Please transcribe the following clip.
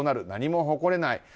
何も誇れない。